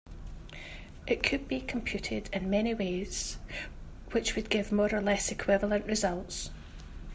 It could be computed in many ways which would give more or less equivalent results.